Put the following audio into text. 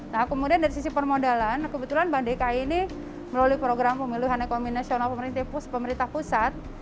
nah kemudian dari sisi permodalan kebetulan bank dki ini melalui program pemilihan ekonomi nasional pemerintah pusat